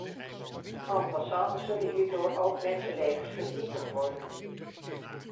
En passant zullen hierdoor ook mensenlevens vernietigd worden.